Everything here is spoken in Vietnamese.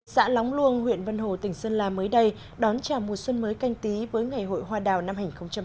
xã lóng luông huyện vân hồ tỉnh sơn la mới đây đón chào mùa xuân mới canh tí với ngày hội hoa đào năm hai nghìn hai mươi